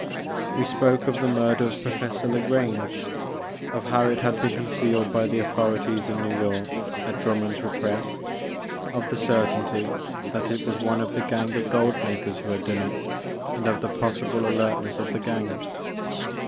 We spoke of the murder of Professor ta Grange, of how it had been concealed by the authorities in New York at Drummond's request, of the cer tainty that it was one of the gang of gold makers who had done it, and of the possible alertness of the gang.